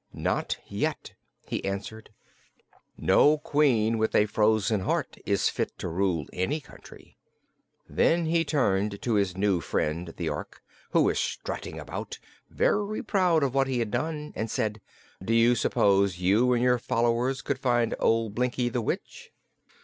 "Not yet," he answered. "No Queen with a frozen heart is fit to rule any country." Then he turned to his new friend, the Ork, who was strutting about, very proud of what he had done, and said: "Do you suppose you, or your followers, could find old Blinkie the Witch?"